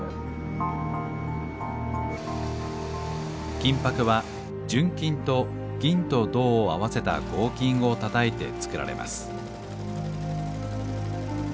金箔は純金と銀と銅を合わせた合金をたたいてつくられます。